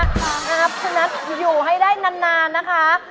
ครับชนะอยู่ให้ได้นานนะคะ